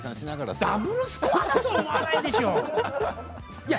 ダブルスコアとは思わないでしょう。